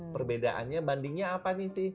perbedaannya bandingnya apa nih sih